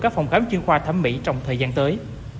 các phòng khám chuyên khoa thẩm mỹ trong thời gian tới